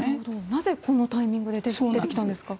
なぜこのタイミングで出てきたんですか？